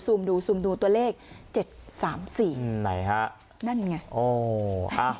ดูซูมดูตัวเลขเจ็ดสามสี่อืมไหนฮะนั่นไงโอ้อ่ะ